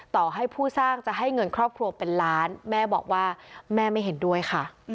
ต่อให้ผู้สร้างจะให้เงินครอบครัวเป็นล้านแม่บอกว่าแม่ไม่เห็นด้วยค่ะ